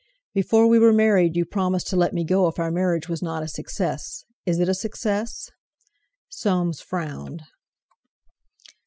"Before we were married you promised to let me go if our marriage was not a success. Is it a success?" Soames frowned.